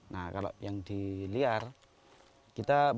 nah kalau yang di liar kita satu hari dua hari